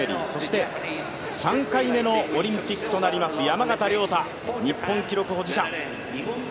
そして３回目のオリンピックとなります、山縣亮太。日本記録保持者。